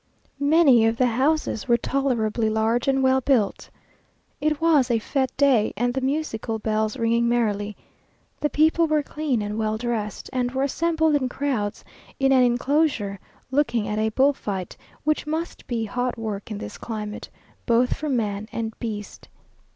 Many of the houses were tolerably large and well built. It was a fête day, and the musical bells ringing merrily; the people were clean and well dressed, and were assembled in crowds in an enclosure, looking at a bull fight, which must be hot work in this climate, both for man and beast.